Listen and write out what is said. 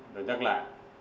để nhắc lại